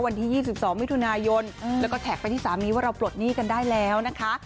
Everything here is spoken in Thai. วันที่๒๒มิถุนายนแล้วก็แท็กไปที่สามีว่าเราปลดหนี้กันได้แล้วนะคะ